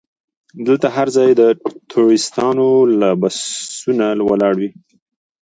دلته هر ځای د ټوریستانو بسونه ولاړ وي.